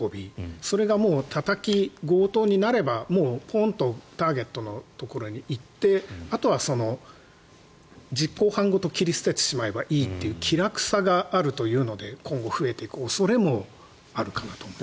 それがたたき、強盗になればポーンとターゲットのところに行ってあとは実行犯ごと切り捨ててしまえばいいという気楽さがあるというので今後、増えていく恐れもあるかなと思います。